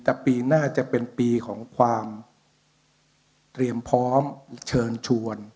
แต่ปีหน้าจะเป็นปีของความเตรียมพร้อมเชิญชวน